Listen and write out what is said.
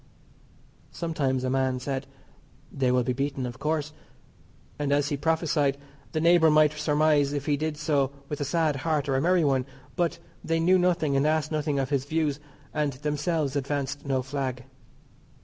Sometimes a man said, "They will be beaten of course," and, as he prophesied, the neighbour might surmise if he did so with a sad heart or a merry one, but they knew nothing and asked nothing of his views, and themselves advanced no flag.